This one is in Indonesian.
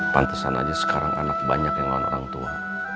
pantesan aja sekarang anak banyak yang lawan orang tua